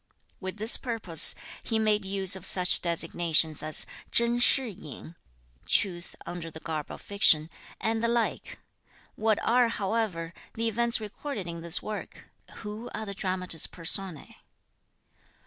With this purpose, he made use of such designations as Chen Shih yin (truth under the garb of fiction) and the like. What are, however, the events recorded in this work? Who are the dramatis personae?